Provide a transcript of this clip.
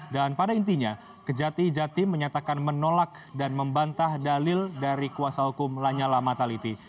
dan pada intinya kejati jatim menyatakan menolak dan membantah dalil dari kuasa hukum lanyala mataliti